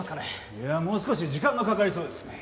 いやもう少し時間がかかりそうですね。